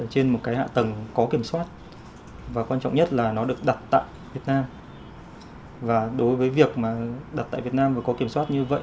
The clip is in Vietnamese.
nếu mà một sản phẩm mã nguồn mở